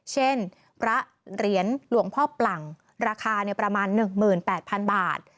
เช่นพระเหรียญหลวงพ่อปลั่งราคาประมาณ๑๘๐๐๐บาท